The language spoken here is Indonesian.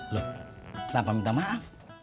loh kenapa minta maaf